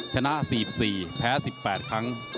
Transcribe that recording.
ชนะ๔๔แพ้๑๘ครั้ง